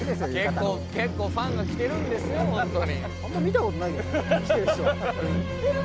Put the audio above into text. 結構、ファンが着ているんですよ、ホントに。